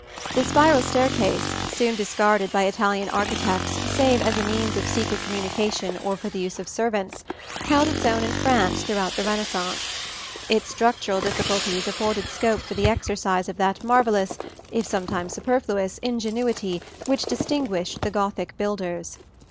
] The spiral staircase, soon discarded by Italian architects save as a means of secret communication or for the use of servants, held its own in France throughout the Renaissance. Its structural difficulties afforded scope for the exercise of that marvellous, if sometimes superfluous, ingenuity which distinguished the Gothic builders.